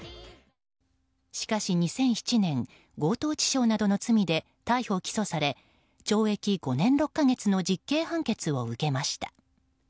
しかし２００７年強盗致傷などの罪で逮捕・起訴され懲役５年６か月の実刑判決を受けました。